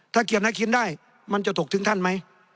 ถ้าเกียรตินาคินได้มันจะถกถึงท่านไหม